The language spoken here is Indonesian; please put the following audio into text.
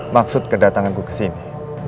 maksud kedatanganku kesini